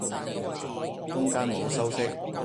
中間冇修飾